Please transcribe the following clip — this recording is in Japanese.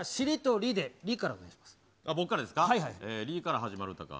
りから始まる歌か。